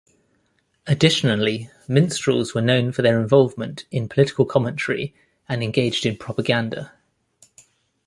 Additionally, minstrels were known for their involvement in political commentary and engaged in propaganda.